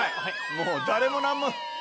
もう誰も何も。